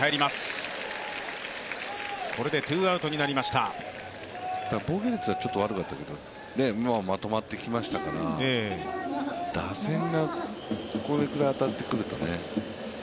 ただ防御率はちょっと悪かったけど、まとまってきましたから打線がこれぐらい当たってくるとね。